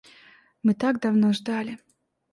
Мы так давно ждали.